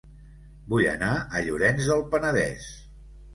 Vull anar a Llorenç del Penedès